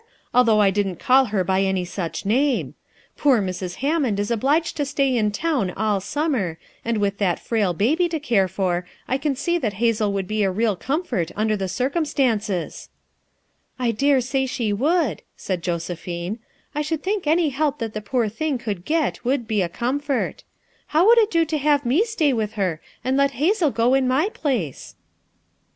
although I didn't call her by any such name. Poor Mrs. Ham mond is obliged to stay in town all summer, and with that frail baby to care for I can see that Hazel would be a real comfort, under the circumstances." "I dare say she would," said Josephine. "I should think any help that the poor thing could get would be a comfort. How would it do to 48 FOUR MOTHERS AT CHAUTAUQUA have me stay with her and let Hazel go in my place!"